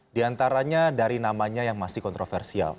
di antaranya dari namanya yang masih kontroversial